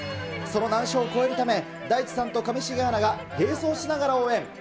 その難所を越えるため、大地さんと上重アナが並走しながら応援。